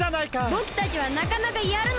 ぼくたちはなかなかやるのだ。